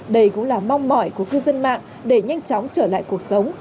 đây cũng là mong mỏi của cư dân mạng để nhanh chóng trở lại cuộc sống